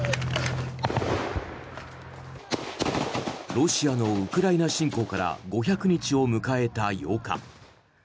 ロシアのウクライナ侵攻から５００日を迎えた８日。